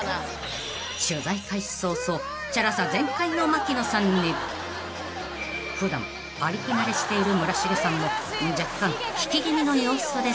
［取材開始早々チャラさ全開の槙野さんに普段パリピ慣れしている村重さんも若干］